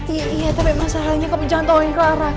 iya iya tapi masalahnya kamu jangan tolongin clara